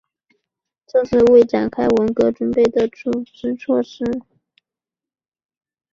这是为开展文革准备的组织措施。